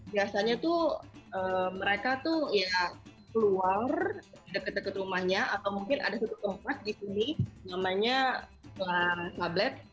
biasanya tuh mereka tuh ya keluar deket deket rumahnya atau mungkin ada satu tempat di sini namanya sablet